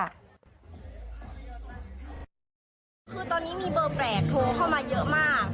คือตอนนี้มีเบอร์แปลกโทรเข้ามาเยอะมาก